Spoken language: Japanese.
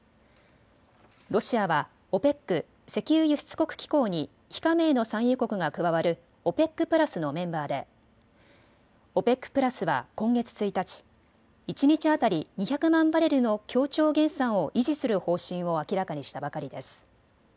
ロシアはＯＰＥＣ・石油輸出国機構に非加盟の産油国が加わるＯＰＥＣプラスのメンバーでＯＰＥＣプラスは今月１日、一日当たり２００万バレルの協調減産を維持する方針を明らかにしたばかりです。